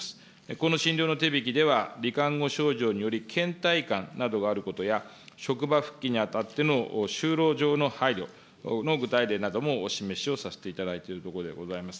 この診療の手引では、り患後症状によりけん怠感などがあることや、職場復帰にあたっての就労上の配慮の具体例などもお示しをさせていただいているところでございます。